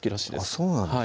そうなんです